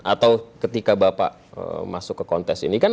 atau ketika bapak masuk ke kontes ini kan